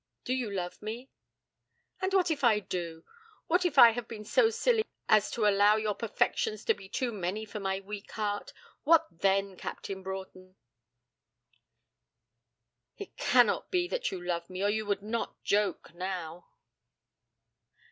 Do you love me?' 'And what if I do? What if I have been so silly as to allow your perfections to be too many for my weak heart? What then, Captain Broughton?' 'It cannot be that you love me, or you would not joke now.'